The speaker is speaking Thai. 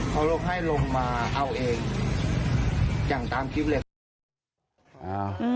เขาให้ลงมาเอาเองอย่างตามคลิปเลยครับ